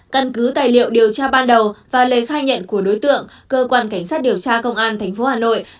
căn cứ tài liệu điều tra ban đầu và lời khai nhận của đối tượng cơ quan cảnh sát điều tra công an tp hà nội đã ra quyết định khởi tố vụ án hình sự